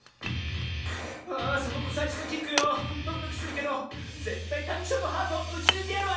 あサボ子さいしょのキックよドキドキするけどぜったいタニショーのハートをうちぬいてやるわ！